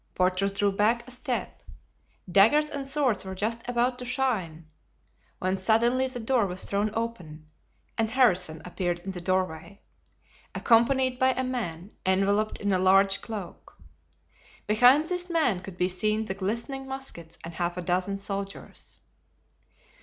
Porthos drew back a step. Daggers and swords were just about to shine, when suddenly the door was thrown open and Harrison appeared in the doorway, accompanied by a man enveloped in a large cloak. Behind this man could be seen the glistening muskets of half a dozen soldiers.